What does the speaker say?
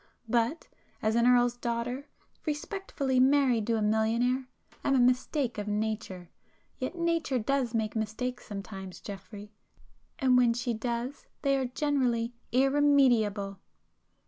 But as an Earl's daughter, respectably married to a millionaire, am a mistake of nature. Yet nature does make mistakes sometimes Geoffrey, and when she does they are generally irremediable!"